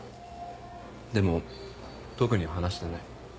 でも特に話してない。